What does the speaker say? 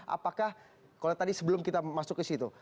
apakah kalau tadi sebelum kita masuk ke situ